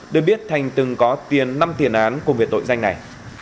đưa biết thành từng có tiền năm tiền án cùng việc tội danh này